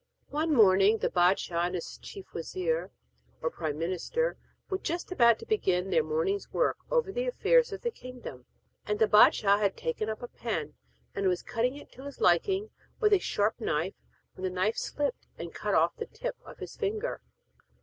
One morning the bâdshah and his chief wazir, or prime minister, were just about to begin their morning's work over the affairs of the kingdom, and the bâdshah had taken up a pen and was cutting it to his liking with a sharp knife, when the knife slipped and cut off the tip of his finger.